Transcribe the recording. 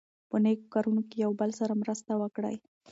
په نېکو کارونو کې یو بل سره مرسته وکړئ.